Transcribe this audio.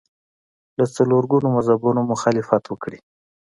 له څلور ګونو مذهبونو مخالفت وکړي